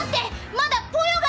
まだポヨが！